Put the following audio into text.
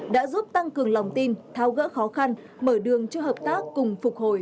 đã giúp tăng cường lòng tin tháo gỡ khó khăn mở đường cho hợp tác cùng phục hồi